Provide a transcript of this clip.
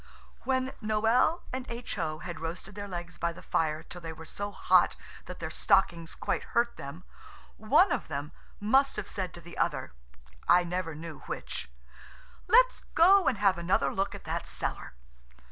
When Noël and H.O. had roasted their legs by the fire till they were so hot that their stockings quite hurt them, one of them must have said to the other–I never knew which: "Let's go and have another look at that cellar."